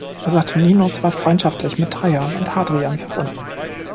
Saturninus war freundschaftlich mit Trajan und Hadrian verbunden.